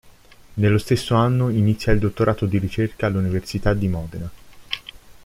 Nello stesso anno inizia il dottorato di ricerca all'Università di Modena.